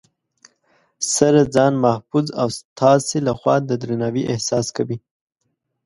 سره ځان محفوظ او ستاسې لخوا د درناوي احساس کوي